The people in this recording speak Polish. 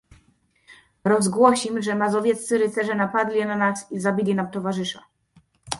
"Rozgłosim, że mazowieccy rycerze napadli na nas i zabili nam towarzysza."